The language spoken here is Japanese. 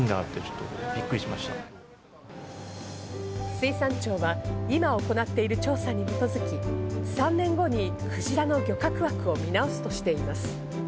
水産庁は今行っている調査に基づき、３年後に鯨の漁獲枠を見直すとしています。